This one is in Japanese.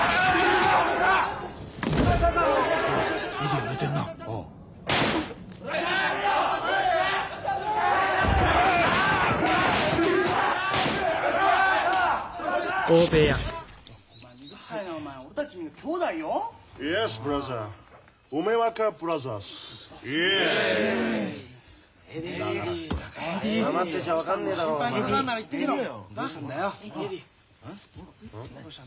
エディどうしたんだよ。